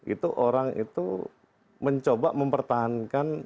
itu orang itu mencoba mempertahankan